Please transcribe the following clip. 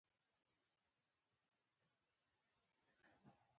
د فقیر نجم الدین لیک ورسره ملګری وو.